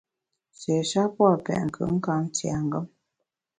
Sé sha pua’ petnkùtnkamtiengem.